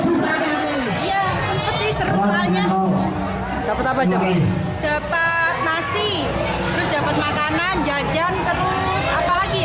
dapat nasi terus dapat makanan jajan terus apa lagi ya